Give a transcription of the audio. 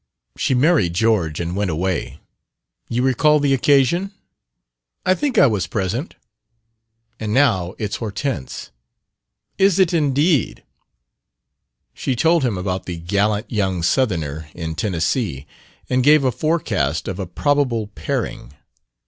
"She married George and went away. You recall the occasion?" "I think I was present." "And now it's Hortense." "Is it, indeed?" She told him about the gallant young Southerner in Tennessee, and gave a forecast of a probable pairing.